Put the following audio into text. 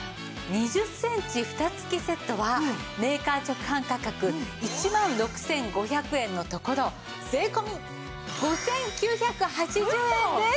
２０センチフタ付きセットはメーカー直販価格１万６５００円のところ税込５９８０円です！